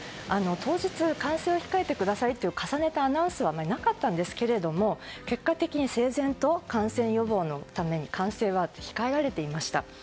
当日歓声を控えてくださいという重ねたアナウンスはなかったんですが結果的に整然と感染予防のために歓声は控えられていました。